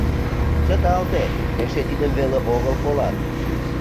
— Чыталте, эше тидым веле огыл колат».